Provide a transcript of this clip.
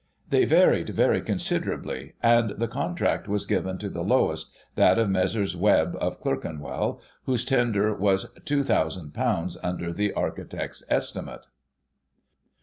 They varied very considerably, and the con tract was given to the lowest, that of Messrs. Webb, of Clerkenwell, whose tender was ;£"2,ooo under the architect's estimate.